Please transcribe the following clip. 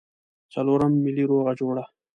څلورم ملي روغه جوړه.